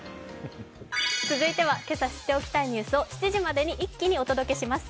続いては今朝知っておきたいニュースを７時までに一気にお届けします。